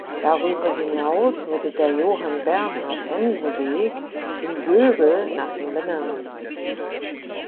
Darüber hinaus wurde der Johann-Bernhard-Hensen Weg in Sögel nach ihm benannt.